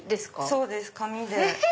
そうです紙で。